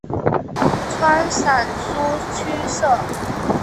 川陕苏区设。